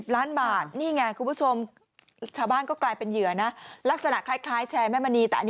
๓๐ล้านบาทหรือเยอะ